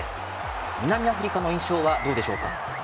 南アフリカの印象はどうでしょうか？